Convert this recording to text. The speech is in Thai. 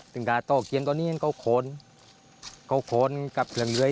ถึงกับต่อเขียมตอนเนี้ยเขาโค้นเขาโค้นกับถึงเหลือย